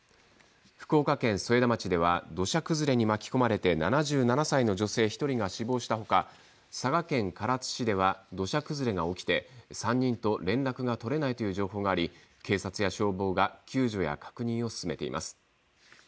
福岡県添田町では土砂崩れに巻き込まれて７７歳の女性１人が死亡した他佐賀県唐津市では土砂崩れが起きて、３人と連絡が取れないという情報があり警察や消防が救助や確認を進めています。